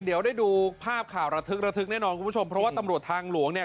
เดี๋ยวได้ดูภาพข่าวระทึกระทึกแน่นอนคุณผู้ชมเพราะว่าตำรวจทางหลวงเนี่ย